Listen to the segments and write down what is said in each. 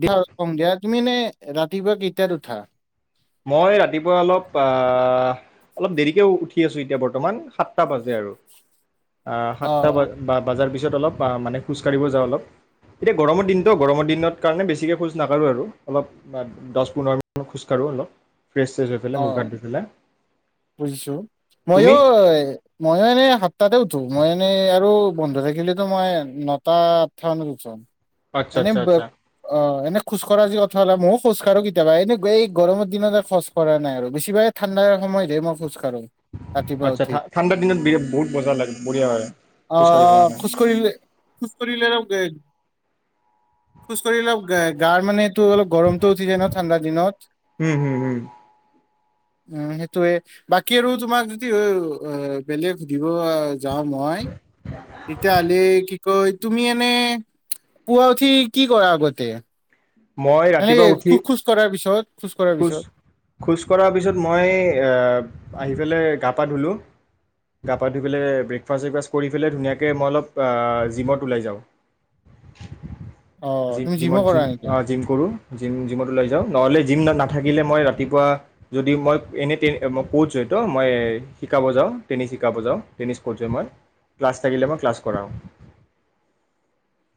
দিয়া, কম দিয়া, তুমি এনে ৰাতিপুৱা কেইটাত উঠা? মই ৰাতিপুৱা অলপ আহ', অলপ দেৰিকে উঠি আছোঁ এতিয়া বৰ্তমান সাতটা বাজে আৰু। আহ' অ সাতটা ব বাজাৰ পিছত যত অলপ পা মানে খোজ কাঢ়িব যাওঁ অলপ। এতিয়া গৰমৰ দিনটো, গৰমৰ দিনত কাৰণে বেছিকৈ খোজ নাকাঢ়োঁ আৰু অলপ দচ-পোন্ধৰ মিনিত মান খোজকাঢ়ো অলপ। ফ্ৰেছ চেছ হৈ পেলাই মুখ অ', হাত ধুই পেলাই বুজিছো, মইও, তুমি মইও এনে সাতটাতে মই এনেই আৰু বন্ধু থাকিলেতো মই নটা আঠটা মানত উঠো। আচ্ছা এনে আচ্ছা আচ্ছা অ' এনে খোজকঢ়া যি অৰ্থ হ'লে মইও খুজকাঢ়োঁ কেতিয়াবা, এনে এই গৰমৰ দিনতে খোজ কৰা নাই আৰু বেছিভাগে ঠাণ্ডাৰ সময়তে মই খোজ কাঢ়ো। ৰাতিপুৱা আচ্ছা উঠি ঠা ঠাণ্ডাৰ দিনত বি বহুত মজা লাগে, বঢ়িয়া হয় অ খোজ অ কাঢ়িব কাৰণে। খোজ কৰিলে খোজ কৰিলে অলপ খোজ কাঢ়িলে অপ গ, গাৰ মানে টো অলপ গৰমতটো উঠি যায় ন ঠাণ্ডা দিনত। উম হম হম উম সেইটোয়ে বাকী আৰু তোমাক যদি ও ও আ বেলেগ সুধিব আ যাওঁ মই, তেতিয়াহলে কি তুমি এনে, পুৱা উঠি কি কৰা আগতে। মই এনে ৰাতিপুৱা উঠি, খোজ খোজ কঢ়াৰ পিছত খোজ কঢ়াৰ পিছত খোজ-খোজ কঢ়াৰ পিছত মই এ, আহি পেলাই গা পা ধুলোঁ, গা পা ধুই পেলাই ব্ৰেকফাষ্ট-চেকফাষ্ট কৰি পেলাই ধুনীয়াকৈ মই অলপ অ, জিমত ওলাই যাওঁ। অ, তুমি জিমো কৰা নি অ ', জিম কৰো জিম-জিমত ওলাই যাওঁ নহলে জিম না-নাথাকিলে মই ৰাতিপুৱা, যদি মই এনেই তে-মই ক'চ হয়তো মই শিকাব যাওঁ, টেনিছ শিকাব যাওঁ টেনিছ ক'চ হয় মই ক্লাছ থাকিলে মই ক্লাছ কৰাওঁ।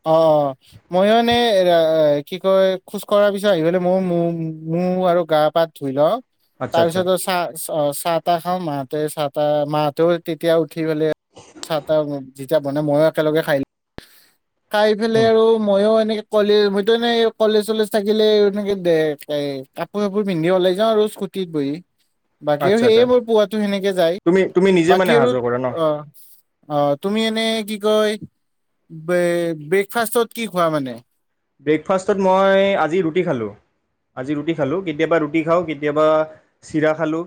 অ', অ', মই এনে এ, কি কয় খোজ কঢ়াৰ পিছত আহি পেলাই মইও মো-মোহ আৰু গা পা ধুই ল আচ্ছা আচ্ছা তাৰপিছত চা-চ-চাহ তাহ খাওঁ, মাহতে চাহ মা হেতেও তেতিয়া উ [unintelligible] মানে ময়ো একেলগে খাই ল খাই পেলাই আৰু মইও এনেকে কলে, মইতো এনেই কলেজ-চলেজ থাকিলে এনেকে দে-কে-কাপোৰ আপোৰ পিন্ধি ওলাই যাওঁ আৰু স্কুটিত বহি। বাকী আৰু আচ্ছা আচ্ছা সেয়ে মোৰ পুৱোতো সেনেকে যায়, তুমি তুমি নিজে বাকী মানে অহা আৰু যোৱা কৰা ন অ, অ, তুমি এনে কি [unintelligible] বে-ব্ৰেকফাষ্টত কি খোৱা মানে। ব্ৰেকফাষ্টত মই আজি ৰুটি খালোঁ, আজি ৰুটি খালোঁ কেতিয়াবা ৰুটি খাওঁ কেতিয়াবা চিৰা খালোঁ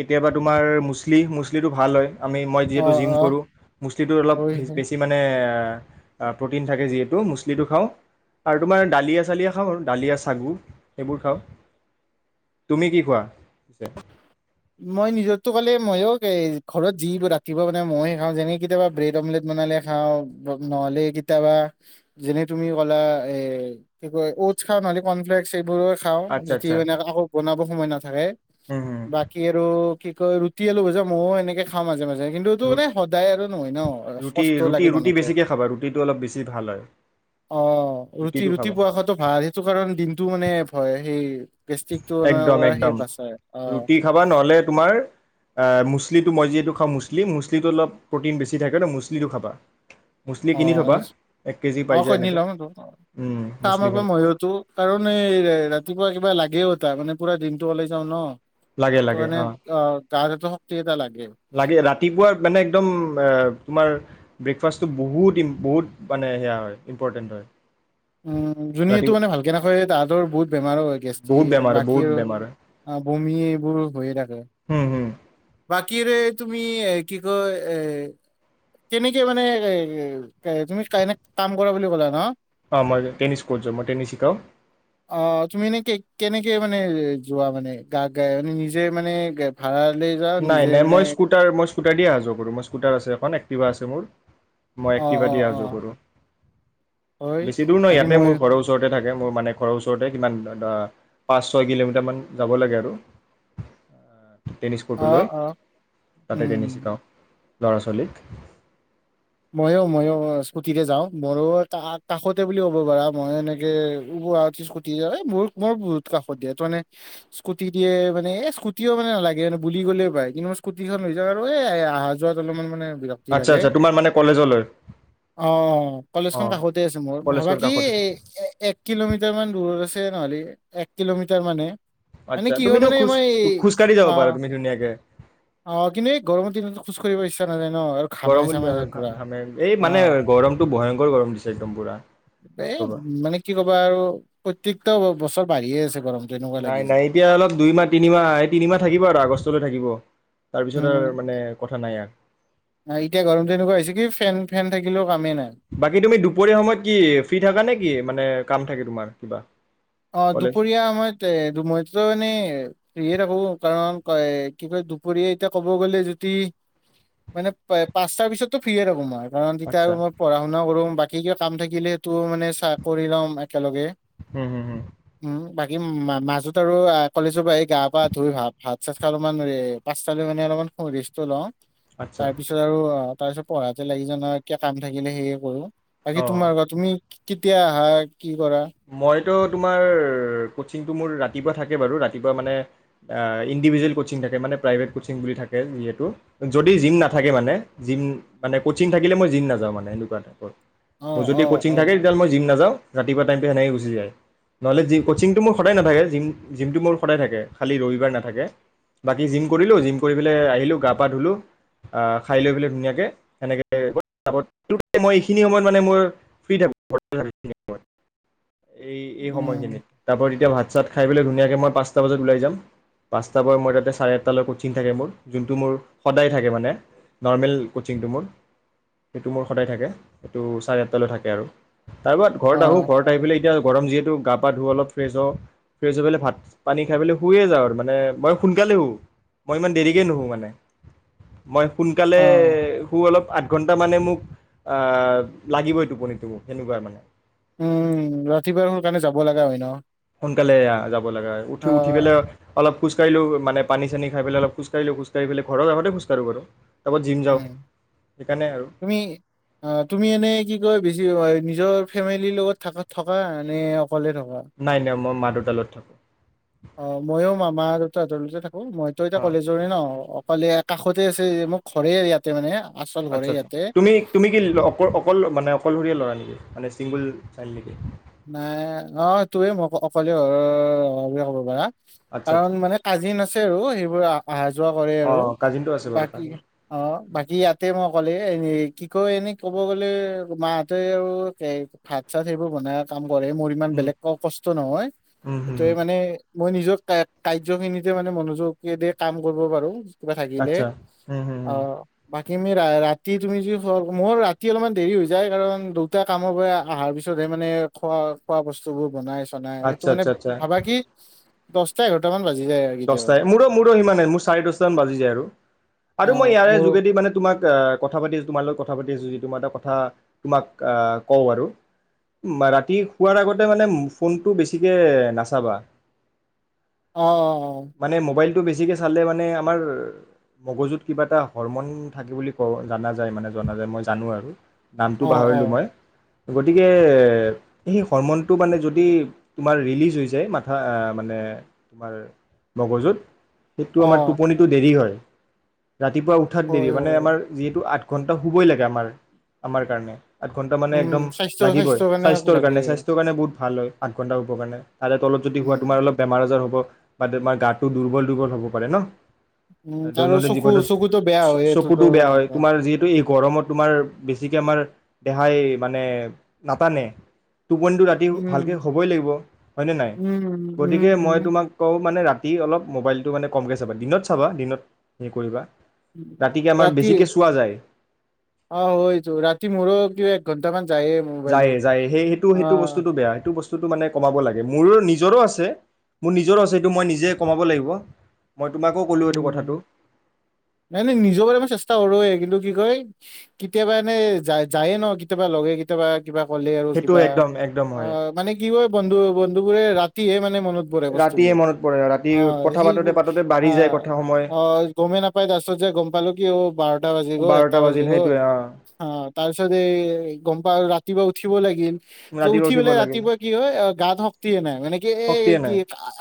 কেতিয়াবা তোমাৰ মুচলি মুচলিটো ভাল হয়। আমি মই অ যিহেতু জিম অ কৰোঁ মুছলিটো অলপ হয় বেছি মানে [unintelligible] প্ৰ'টিন থাকে যিহেতু মুছলিটো খাওঁ। আৰু তোমাৰ ডালিয়া-চালিয়া খাওঁ আৰু দালিয়া, ছাগু সেইবোৰ খাওঁ। তুমি কি খোৱা? পিছে মই, নিজৰটো ক'লে ময়ো ঘৰত যি ৰাতিপুৱা মানে ময়ে খাওঁ যেনে কেতিয়াবা ব্ৰেড অমলেট বনালে খাওঁ, নহলে কেতিয়াবা যেনে তুমি ক'লা এ, কি কয় উটছ খাওঁ, নহলে কৰ্ণফ্লেক্স এইবোৰৰ খাওঁ আচ্ছা যদিও আচ্ছা এনেকে আকৌ বনাব সময় নাথাকে। হুম হুম বাকি আৰু অ, কি কয় ৰুটি আলু ভাজা ময়ও এনেকে খাওঁ মাজে-মাজে। কিন্তু, এইটো ৰু মানে সদায় আৰু নহয় ন, ৰুটি কষ্ট ৰুটি লাগে ৰুটি বনাওঁতে। বেছিকৈ খাবা ৰুটিটো অলপ বেছি ভাল হয় অ, ৰুটিটো ৰুটি-ৰুটি খাবা পোৱা খোৱাটো ভাল সেইটো কাৰণে দিনটো মানে ভয় এই গেষ্টিক টো একদম [unintelligible] সেই একদম বাচাই। অ ৰুটি খাবা নহলে তোমাৰ এ মুচলিটো মই যিহেতু খাওঁ মুচলি, মুচলিটো অলপ প্ৰ'টিন বেছি থাকে ন মুচলিটো খাবা। মুছলি [unintelligible] কিনি থ'বা এক কেজি মইতো পাই যায় কাৰণ এই এনেকে উম মুছলি খাবা ৰাতিপুৱা কিবা লাগে তাৰ মানে পুৰা দিন ওলাই যাও ন। সেইটো লাগে-লাগে কাৰণে অ, গাত এটা শক্তি এটা লাগে লাগে ৰাতিপুৱাৰ মানে একদম আ তোমাৰ ব্ৰেকফাষ্টটো বহুত-ইম-বহুত মানে সেয়া হয় ইম্পৰ্টেণ্ট হয়। উম যোনে ইটো ৰাতিপুৱা মানে ভালকে নাখায় তাহঁতৰ বহুত বেমাৰো হয় বহুত গেষ্ট্ৰিক বেমাৰ হয় বাকী বহুত আৰু বমি। বোৰ হৈয়ে থাকে। উম হুম। বাকীৰে তুমি কি কয় এ কেনেকে মানে তুমি এনে কাম কৰা বুলি ক'লা নহ। অ মই টেনিছ কোচ হয় মই টেনিছ শিকাওঁ। অ তুমি এনে কে- কেনেকে মানে যোৱা মানে গা গাই মানে নিজে মানে ভাড়া। নাই নাই মই স্কুটাৰ মই স্কুটাৰ দিয়ে অহা যোৱা কৰোঁ মই স্কুটাৰ আছে এখন এক তিবা আছে মোৰ। মই অ এক্টিভা অ দি অহা অ যোৱা কৰোঁ হয় বেছি দূৰ নহয় বাকী ইয়াতে মই মোৰ ঘৰৰ ওচৰতে থাকে। এ মোৰ মানে ঘৰৰ ওচৰতে কিমান দা দা পাঁচ ছয় কিলোমিটাৰমান যাব লাগে আৰু তেতিয়া। অহ অহ উম। ল'ৰা-ছোৱালীক। অ মইও মইও স্কুটিতে যাওঁ মোৰো কাষতে বুলি ক'ব পাৰা মই এনেকে পুৱা উঠি স্কুটিতে এ মোৰ মই বহুত কাষত দিয়ে তাৰমানে স্কুটি দিয়ে মানে এই স্কুটিও মানে নালাগে বুলি গ'লে পায় কিন্তু স্কুটিখন লৈ যাওঁ আৰু এই অহা যোৱাত অলপমান মানে। ৰাতি আচ্ছা লাগে। আচ্ছা তোমাৰ মানে কলেজলৈ অ অ কলেজখন কাষতে আছে মোৰ ভাবা কলেজৰ কি কাষতে এই এক কিলোমিটাৰ মান দূৰ। [unintelligible] নহ'লি এক কিলোমিটাৰ মানহে। মানে আচ্ছা কি হয় তুমিতো মানে খোজ মই এই খোজকাঢ়ি যাব অ পাৰা তুমি ধুনীয়াকে অ কিন্তু এই গৰমৰ দিনত খোজ কাঢ়ি। খোজ কাঢ়িব ইচ্ছা নাযায়। অ আৰু ঘামাই গৰম চামাই যে। ঘামে এই মানে গৰমটো ভয়ংকৰ গৰম দিছে একদম পুৰা কি ক'বা। প্ৰত্যেকটা বছৰ বাঢ়িয়ে আছে। গৰমটো এনেকুৱা লাগি নাই আছে। নাই এতিয়া অলপ দুই মাহ তিনিমাহ এই তিনিমাহ থাকিব আৰু আগষ্টলৈ থাকিব। তাৰ পিছত আৰু মানে কথা নাই। দিয়া। অহ এতিয়া গৰমটো এনেকুৱা হৈছে কি ফেন ফেন থাকিলেও। কামেই নাই। বাকী তুমি দুপৰীয়া সময়ত কি ফ্ৰী থাকা নে কি মানে কাম থাকে তোমাৰ। কিবা। অ কলেজ দুপৰীয়া সমমত মইতো এনেই। ফ্ৰিয়ে থাকোঁ কাৰণ কি কয় দুপৰীয়া এতিয়া ক'ব গ'লে যদি মানে পাঁচটাৰ পিছতটো ফ্ৰিয়ে থাকোঁ মই। কাৰণ তেতিয়া আচ্ছা আৰু মই পঢ়া শুনা কৰোঁ বা কী কিবা কাম থাকিলে। টো মানে চাকৰি ল'ম একেলগে। হুম হুম হুম উম। বাকী মাজত আৰু কলেজৰ পৰা আহি গা-পা ধুই ভা ভাত-চাত খাই অলমান পাচালি মানে অলপমান ৰেষ্ট টো লওঁ। আচ্ছা তাৰ পিছত আৰু অ' তাৰ পিছত পঢ়াতে লাগি যাওঁ, ন, কিবা কাম থাকিলে সেয়ে কৰো। বাকী অঁ তোমাৰ কোৱা, তুমি? কেতিয়া আহা? কি কৰা? টো তোমাৰ কচিংটো মোৰ ৰাতিপুৱা থাকে বাৰু ৰাতিপুৱা, মানে ইণ্ডিভিজুৱেল কচিং থাকে, মানে প্ৰাইভেট কচিং বুলি থাকে যিহেতু, যদি জিম নাথাকে মানে, জিম মানে কচিং থাকিলে মই জিম নাযাওঁ মানে এনেকুৱা টাইপৰ। অ মোৰ যদি অ কচিং অ থাকে, তেতিাহ'লে মই জিম নাযাওঁ। ৰাতিপুৱা টাইমটো সেনেকে গুচি যায়, নহ'লে জি কচিংটো মোৰ সদায় নাথাকে, জিম, জিমটো মোৰ সদায় থাকে খালী ৰবিবাৰ নাথাকে, বাকী জিম কৰিলোঁ, জিম কৰি পেলাই আহিলোঁ গা-পা ধুলোঁ, খাই লৈ পেলাই ধুনীয়াকৈ সেনেকৈ মই এইখিনি সময়ত মানে মোৰ ফ্ৰী টাইম, ঘৰতে থাকোঁ এইখিনি সময়। এই, এই উম সময়খিনিত তাৰপ তেতিয়া ভাত চাত খাই পেলাই ধুনীয়াকে মই পাঁচটা বজাত ওলাই যাম, পাঁচটা পৰা মই তাতে চাৰে আঠটালৈ কোচিং থাকে মোৰ, যোনটো মোৰ সদায় থাকে মানে, নৰ্মেল কোচিংটো মোৰ, সেইটো মোৰ সদায় থাকে, সেইটো চাৰে আঠটালৈ থাকে আৰু তাৰপত ঘৰত অ আহো। এতিয়া গৰম যিহেতু গা-পা ধুওঁ অলপ ফ্ৰেছ হওঁ, ফ্ৰেছ হৈ পেলাই ভাত-পানী খাই পেলাই শুইয়ে যাওঁ আৰু মানে মই সোনকালে শু, মই ইমান দেৰিকে নুশু মানে। মই সোনকালে অ শু অলপ। আঠ ঘণ্টা মানে মোক লাগিবই টোপনিটো মোক সেনেকুৱা মানে। উম, ৰাতিপুৱাই সোনকালে যাব লগা হয় ন। সোনকালে যাব। লগা হয়, উঠি অ উঠি পেলাই অলপ খোজ কাঢ়িলোঁ, মানে পানী-চানি খাই পেলে অলপ খোজ কাঢ়িলোঁ, খোজ কাঢ়ি পেলে ঘৰৰ আগতে খোজ কাঢ়োঁ বাৰু। তাৰপৰা জিম যাওঁ উম, সেইকাৰণে আৰু তুমি অ তুমি এনে কি কয় বেছি নিজৰ- ফেমিলিৰ লগত থাকা, থকা নে অকল নাই নাই, মই মাদুত। তালত থাকোঁ। অ', ময়ো মামা আৰু তাহাঁতৰতে থাকোঁ। ও, মইতো এতিয়া অঁ কলেজৰে ন অকলে আ কাষতে আছে, মোক ঘৰে ইয়াতে মানে। আচল ঘৰে আচ্ছা আচছা, ইয়াতে তুমি, তুমি কিল অকল, অকল মানে অকলশৰীয়া ল। ল'ৰা নিকি, মানে চিংগুল চাইল্ড নিকি? নাই, অ তয়ে ম অকলে ঘৰৰ হ'ব পাৰা। আচ্ছা কাৰণ আচ্ছা মানে কাজিন আছে আৰু সেইবোৰ আহা-যোৱা কৰে অ আৰু কাজিনটো আছে বাৰু বাকী, কাজিন অ বাকী ইয়াতে মই অকলে এনে কি কয় এনে। ক'ব গ'লে মাহঁতেই আৰু ভাত-চাত সেইবোৰ বনাই। পঢ়ে মোৰ ইমান উম বেলেগ ক কষ্ট নহয়, উম হুম হুম। সেইটোয়ে মানে। মই নিজৰ কা, কাৰ্য খিনিতে মানে মনোযোগেদি কাম কৰিব পাৰো। কিবা থাকিলে, আচ্ছা উম হুম অ, হুম বাক তুমি ৰাতি তুমি যদি মোৰ ৰাতি অলপমান দেৰি হৈ যায় কাৰণ দুটা কামৰ পৰা অহাৰ পিছতহে মানে। খোৱা খোৱা বস্তু বোৰ বনাই আছো নাই সেইটো আচ্ছা মানে আচ্ছা আচ্ছা ভাবা কি দহটা এঘাৰ মান বাজি যায় আৰু কেতিয়াবা দছটাই মোৰো মোৰো সিমান মোৰ চাৰে দছটা মান বাজি যায় অ আৰু মই ইয়াৰে মোৰ যোগেদি মানে তোমাক [unintelligible] তোমাৰ লগ কথা পাতি আছো যি তোমাৰ এটা কথা তোমাক কওঁ আৰু ৰাতি শোৱাৰ আগতে মানে ফোনটো বেছিকে নাচাবা। অ অ মানে মোবাইল টো বেছিকে চালে মানে আমাৰ মগজুত কিবা এটা হৰমন থাকে বুলি ক জনা যায় মানে জনা যায় মই জানো আৰু নামটো অ অ অ পাহৰিলোঁ মই গতিকে সেই হৰমনটো মানে যদি তোমাৰ ৰিলিজ হৈ যায় মাথা মানে তোমাৰ মগজুত সেইটো অ আমাৰ টোপনিটো দেৰি হয় ৰাতিপুৱা উঠাত দেৰি হয় মানে হয় হয়। আমাৰ যিহেতু [unintelligible] ঘণ্টা শুবই লাগে আমাৰ আমাৰ কাৰণে আঠ ঘণ্টা মানে উম একদম স্বাস্থ্য লাগিবই স্বাস্থ্যৰ কাৰণে স্বাস্থ্যৰ লাগে কাৰণে স্বাস্থ্যৰ কাৰণে বহুত ভাল হয় আঠ ঘণ্টা উপওৰণে। তাৰ তল যদি শুৱা তোমাৰ উম অলপ বেমাৰ আজাৰ হ'ব বা তোমাৰ গাটো দুৰ্বল দুৰ্বল হ'ব পাৰে উম ন আৰু দৈনন্দিন চকু জীৱনত চকুতো বেয়া হয় এইটোতো চকুতো বেয়া হয় নকওঁ তোমাৰ যিহেতু এই গৰমত তোমাৰ বেছিকৈ আমাৰ দেহাই মানে নাটানে। টোপনি টু ৰাতি উম ভালকৈ হ'বই লাগিব হয়নে নাই উম উম গতিকে মই উম তোমাক মানে ৰাতি অলপ মোবাইলটো মানে কমকৈ চাবা দিনত চাবা দিনত হেৰি কৰিবা ৰাতিকে আমাৰ ৰাতি বেছিকে চোৱা যায় অ হয়টো ৰাতি মোৰোএক ঘণ্টা মান যায়ে যায়ে সেই সেইটো সেইটো বস্তুতটো বেয়া সেইটো বস্তু বস্তুটো মানে কমাব লাগ মোৰ নিজৰো আছে মোৰ নিজৰো আছে সেটো মই নিজে কমাব লাগিব মই তোমাকো ক'লো এইটো কথাটো উম নাই ন নিজৰ ব মই চেষ্টা কৰোৱে কিন্তু কি কয় কেতিয়াবা এনে যায় যায়ে ন কেতিয়াবা লগে কেতিয়াবা কিবা ক'লে আৰু সেইটো কিবা একদম একদম অ হয় মানে কি হয় বন্ধু বন্ধু বোৰে ৰাতিয়ে মানে মনত পৰে ৰাতিয়ে বস্তুবোৰ মনত পৰে আৰু ৰাতি কথা পাতোতে সেইবোৰ পাতোতে ব অ অ গমেই নাপাই তাৰ পিছত যে গম পালো কি অ বাৰটা বাজি গ'ল এটা বাৰটা বাজি বাজিল গ'ল সেইটোৱে অ অ তাৰ পিছত এই গম পাল ৰা [unintelligible] উঠিব লাগিল যে ৰাতিপুৱা উঠি উঠিব পেলাই লাগিল ৰাতিপুৱা কি হয় গাত শক্তিয়ে নাই মানে কি এই শক্তিয়ে কি নাই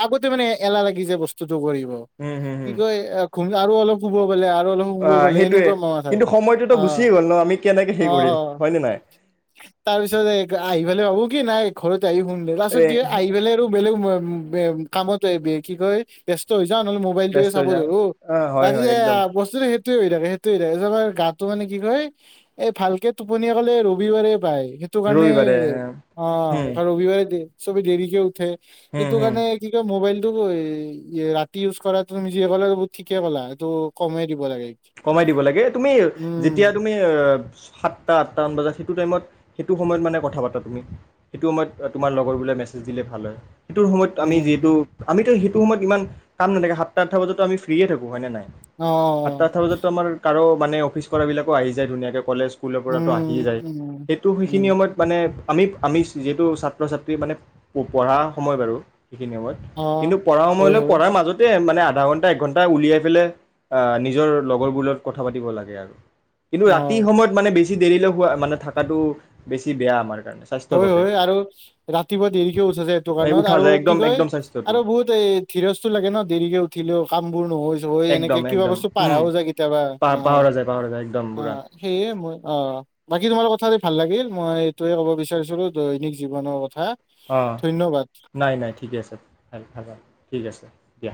আগতে মানে এলাহ লাগি যে বস্তুটো কৰিব উম হম কি হম গৈ সো আৰু অলপ খো বলে আৰু অলপ অ শুব বলে সেইটোৱে এনেকুৱা মাাই কিন্তু সময়টোতো অ গুচিয়ে গ'ল ন আমি কেনেকে সেই অ কৰিম অ হয়নে নাই তাৰপিছত এই আহি ফালে ভাবো কি নাই খৰচ শুন দেে লাছত এ কি হয় আহি পেলাই আৰু বেলেগ কামত কি কয় ব্যস্ত হৈ যাওঁ নহলে মোবাইল টোয়ে ব্যস্ত হৈ চাব যাম জানো অ হয় কাঁহী হয় একদম আহ বস্তুতটো সেই সেইটোয়ে হৈ থাকে সেইটোয়ে হৈ থাকে তোমাৰ গাতটো মানে কি কয় এই ভালকে টোপনিয়ে কলে ৰবিবাৰে পায় সেইটো কাৰণে ৰবিবাৰে অ হম ৰবিবাৰে দিয়ে চবে দেৰিকে উঠে হুম সিটো হুম কাৰানে কি কয় মোবাইল ৰাতি ইউজ কৰাটো তুমি যে পালা বু ঠিকে পালা সেইটো কমে দিব লাগে কমাই দিব লাগে তুমি যেতিয়া উম তুমি অ সাতটা আঠটামান বজাত সেইটো টাইমত সেইটো সময়ত মানে কথা পাতা তুমি সেইটো সময়ত তোমাৰ লগৰ বোলে মেছেজ দিলে ভাল হয় সেইটোৰ সময়ত আমি যিহেতু উম আমিতো স সময়ত ইমান কাম নাথাকে সাত আঠটা বজাতো আমিতো ফ্ৰীয়ে থাকোঁ হয় নে নাই অ অ অ চাট হাউচত আমাৰ কাৰো মানে অফিচ কৰাবিলাকেও আহি যায় ধুনীয়াকে ফটোশুট স্কুলৰ পৰাতো আহিয়ে উম যায় উম সেইটো সেইখিনি উম সময়ত মানে আমি আমি যিহেতু ছাত্ৰ ছাত্ৰী মানে অ পঢ়া সময় বাৰু সেইখিনি সময়ত অ', কিন্তু পঢ়া হয় সময়লৈ হয় পঢ়াৰ মাজতে মানে আধা ঘণ্টা এক ঘণ্টা উলিয়াই পেলাই আহ ইত নিজৰ লগৰবোৰৰ লগত কথা পাতিব লাগে আৰু কিন্তু ৰাতি অ', সময়ত মানে বেছি বেছি দেৰিলে হোৱা মানে থকাটো বেছি বেয়া আমাৰ কাৰণে স্বাস্থ্যৰ হয় বাবে হয় আৰু ৰাতিপুৱা দেৰিকে উঠেযেএইটো এই কাৰণত উঠা আৰু যায় কি একদম কয় একদম স্বাস্থ্যটো আৰু বহুত এই ধিৰজটো লাগে ন দেৰিকে উঠিলেও কাম বোৰ নহৈ যে ঐ এনেকে একদম কিবা একদম বস্তু উম পাৰাও যায় কেতিয়াবা অ পাহৰা যায় পাহৰা যায় একদম অ পুৰা সেই এ মই অ বাকী তোমাৰ কথা যে ভাল লাগিল মই এইটোয়ে কব বিচাৰো তাৰ ওচৰত দৈনিক জীৱনৰ কথা অ ধন্যবাদ। নাই নাই ঠিকেই আছে ভাল থাকা ঠিক আছে দিয়া